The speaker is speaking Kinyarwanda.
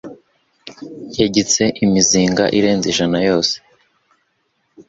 Yagitse imizinga irenze ijana yose.